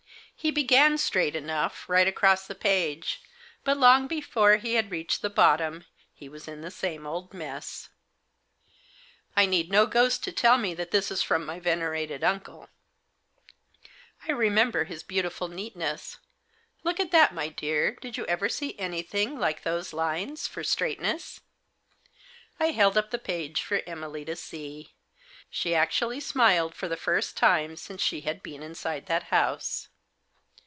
He began straight enough, right across the page, but, long before he had reached the bottom, he was in the same old mess. " I need no ghost to tell me that this is from my venerated uncle. I remember his beautiful neatness. Look at that, my dear, did you ever see anything like those lines for straightness ?" I held up the page for Emily to see. She actually smiled, for the first time since she had been inside that house.